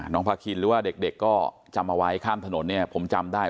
พาคินหรือว่าเด็กก็จำเอาไว้ข้ามถนนเนี่ยผมจำได้